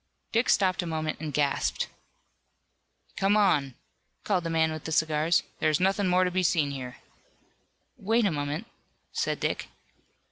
Dick stopped a moment and gasped. "Come on," called the man with the cigars, "there is nothing more to be seen here." "Wait a moment," said Dick.